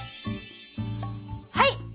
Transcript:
はい！